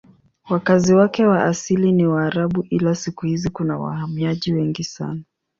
Wakazi wake wa asili ni Waarabu ila siku hizi kuna wahamiaji wengi sana.